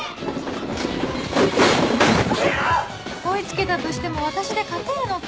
追い付けたとしても私で勝てるのか？